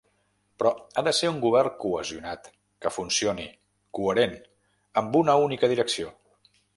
Però ha de ser un govern cohesionat, que funcioni, coherent, amb una única direcció.